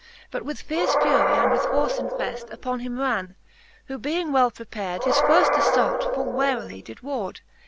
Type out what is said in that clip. But with fierce fury and with force infeft Upon him ran ', who being well prepard. His firft afiault full warily did ward.